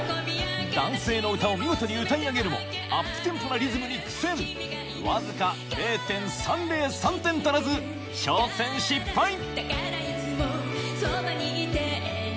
男性の歌を見事に歌い上げるもアップテンポなリズムに苦戦わずか ０．３０３ 点足らず挑戦失敗